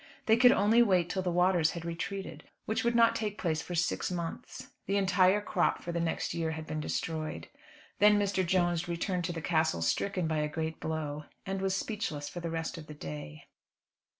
They could only wait till the waters had retreated, which would not take place for six months. The entire crop for the next year had been destroyed. Then Mr. Jones returned to the Castle stricken by a great blow, and was speechless for the rest of the day.